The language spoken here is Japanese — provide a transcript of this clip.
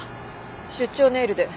出張ネイルで。